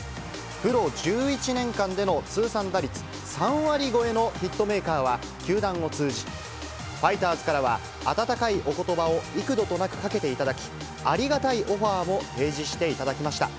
プロ１１年間での通算打率３割超えのヒットメーカーは、球団を通じ、ファイターズからは温かいおことばを幾度となくかけていただき、ありがたいオファーも提示していただきました。